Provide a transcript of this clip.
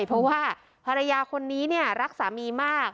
เพราะว่าภรรยาคนนี้เนี่ยรักสามีมาก